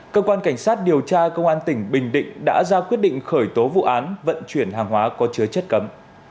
cơ quan cảnh sát điều tra công an tỉnh bình định đã ra quyết định khởi tố vụ án vận chuyển hàng hóa có chứa chất cấm